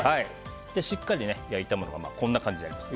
しっかり焼いたものがこんな感じになります。